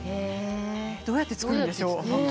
どうやって作るんでしょう？